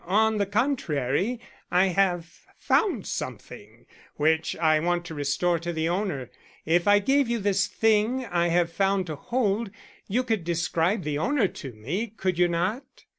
On the contrary I have found something, which I want to restore to the owner. If I gave you this thing I have found to hold, you could describe the owner to me, could you not?"